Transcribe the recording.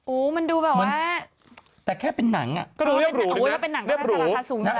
อูมันดูแบบว่าแต่แค่เป็นหนังอะก็เรียบหรูแล้วก็เป็นหนังราคาสูงแล้ว